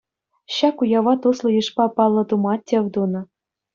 Ҫак уява туслӑ йышпа паллӑ тума тӗв тунӑ.